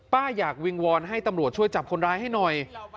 อยากวิงวอนให้ตำรวจช่วยจับคนร้ายให้หน่อย